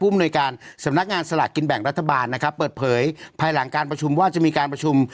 มนวยการสำนักงานสลากกินแบ่งรัฐบาลนะครับเปิดเผยภายหลังการประชุมว่าจะมีการประชุม